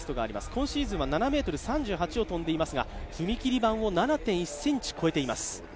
今シーズンは７ｍ３８を跳んでいますが、踏切板を７．１ｃｍ越えています。